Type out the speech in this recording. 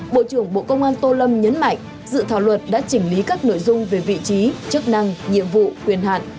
bộ trưởng bộ công an tô lâm nhấn mạnh dự thảo luật đã chỉnh lý các nội dung về vị trí chức năng nhiệm vụ quyền hạn